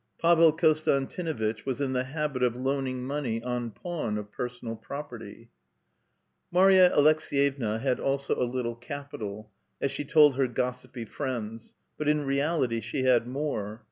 Pavel Konstantinuitch was in the habit of loaning money on pawn of personal property. Marya Aleks^yevna had also a little capital ; about five thousand, as she told her kumashki (gossipy friends), but in realit}' she had more.